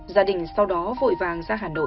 gia đình sau đó vội vàng ra hà nội